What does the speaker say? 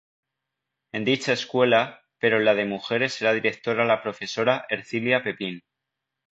En dicha escuela, pero en la de mujeres era directora la profesora Ercilia Pepín.